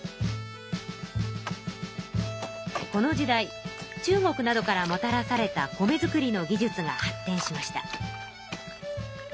この時代中国などからもたらされた米作りの技術が発てんしました。